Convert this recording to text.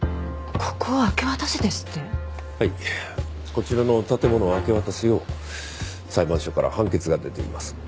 こちらの建物を明け渡すよう裁判所から判決が出ています。